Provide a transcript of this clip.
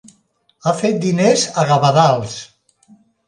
Ha fet diners a gavadals.